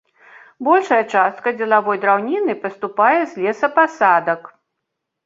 Большая частка дзелавой драўніны паступае з лесапасадак.